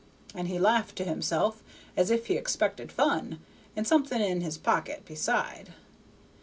And he laughed to himself as if he expected fun, and something in his pocket beside.